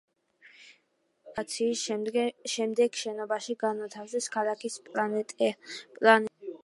ხანგრძლივი რესტავრაციის შემდეგ შენობაში განათავსეს ქალაქის პლანეტარიუმი.